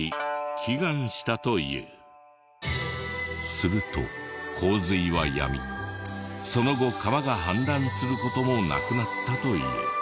すると洪水はやみその後川が氾濫する事もなくなったという。